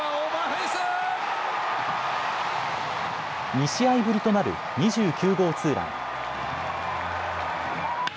２試合ぶりとなる２９号ツーラン。